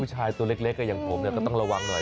ชายตัวเล็กอย่างผมก็ต้องระวังหน่อย